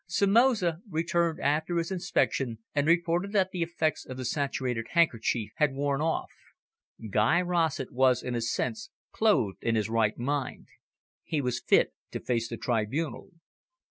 Somoza returned after his inspection, and reported that the effects of the saturated handkerchief had worn off. Guy Rossett was in a sense clothed in his right mind. He was fit to face the tribunal.